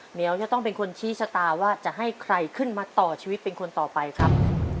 เหนียวจะต้องเป็นคนชี้ชะตาว่าจะให้ใครขึ้นมาต่อชีวิตเป็นคนต่อไปครับ